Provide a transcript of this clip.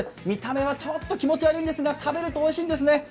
見た目はちょっと気持ち悪いんですが、食べるとおいしいんですね。